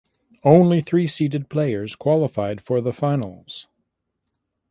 Only three seeded players qualified for the finals.